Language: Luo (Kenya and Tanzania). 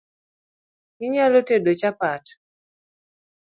Inyalo tedo chapat